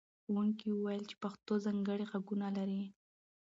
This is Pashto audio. ښوونکي وویل چې پښتو ځانګړي غږونه لري.